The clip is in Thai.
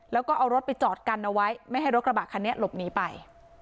แล้วก็เอารถไปจอดกันเอาไว้ไม่ให้รถกระบะคันนี้หลบหนีไป